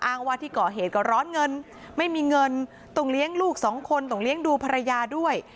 ว่าที่ก่อเหตุก็ร้อนเงินไม่มีเงินต้องเลี้ยงลูกสองคนต้องเลี้ยงดูภรรยาด้วย